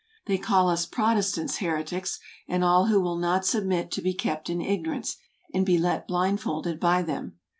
They call us Protestants heretics, and all who will not submit to be kept in ignorance, and be led blindfold by them.